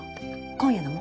今夜飲も。